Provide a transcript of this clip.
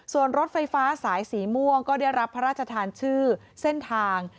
ส่วนรถไฟฟ้าสายสีม่วงก็ได้รับพระราชทานชื่อเส้นทาง